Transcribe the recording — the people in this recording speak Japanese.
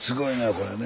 これね。